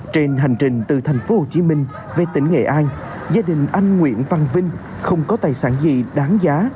trên hành trình từ thành phố hồ chí minh về tỉnh nghệ an gia đình anh nguyễn văn vinh không có tài sản gì đáng giá